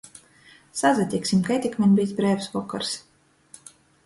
Sasatiksim, kai tik maņ byus breivs vokors.